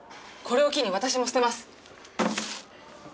これを機に私も捨てます。